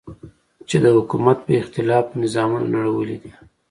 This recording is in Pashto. چې د حکومت په اختلاف مو نظامونه نړولي دي.